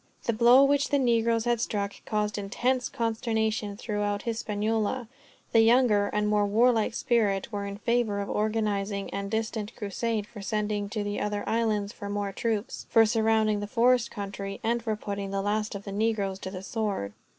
The blow which the negroes had struck caused intense consternation throughout Hispaniola. The younger, and more warlike spirits were in favor of organizing an instant crusade, for sending to the other islands for more troops, for surrounding the forest country, and for putting the last of the negroes to the sword.